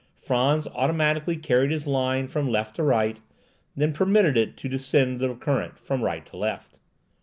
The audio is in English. Frantz automatically carried his line from left to right, then permitted it to descend the current from right to left.